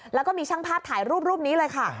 แล้วก็มีช่างภาพถ่ายรูปรูปนี้เลยค่ะ